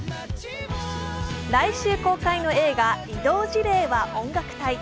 来週公開の映画「異動辞令は音楽隊！」。